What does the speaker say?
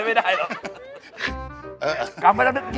หรืออะไรไม่ได้เหรอ